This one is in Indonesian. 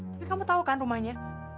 tapi kamu tahu kan rumahnya